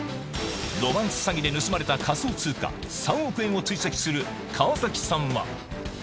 ロマンス詐欺で盗まれた仮想通貨３億円を追跡する河崎さんは。